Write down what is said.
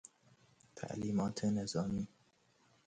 تعلیمات نظامی